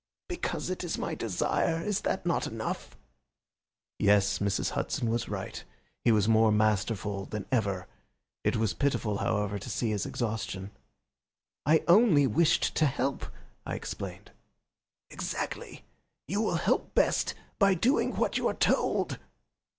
"Because it is my desire. Is that not enough?" Yes, Mrs. Hudson was right. He was more masterful than ever. It was pitiful, however, to see his exhaustion. "I only wished to help," I explained. "Exactly! You will help best by doing what you are told."